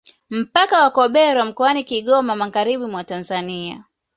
Mpaka wa Kobero mkoani Kigoma Magharibi mwa nchi